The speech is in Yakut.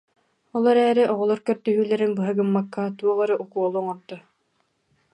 Ол эрээри оҕолор көрдөһүүлэрин быһа гыммакка, туох эрэ укуолу оҥордо